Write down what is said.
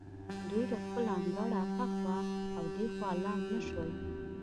دوی له خپل انګړه هخوا او دېخوا لاړ نه شول.